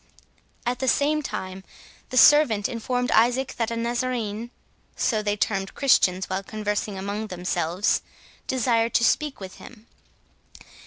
At the same time the servant informed Isaac, that a Nazarene (so they termed Christians, while conversing among themselves) desired to speak with him.